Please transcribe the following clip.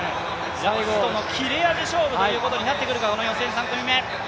ラストの切れ味勝負ということになってくるか、この予選３組目。